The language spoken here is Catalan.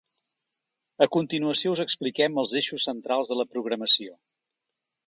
A continuació us expliquem els eixos centrals de la programació.